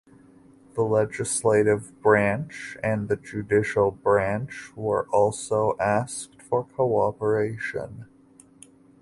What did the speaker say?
The legislative branch and the judicial branch were also asked for cooperation.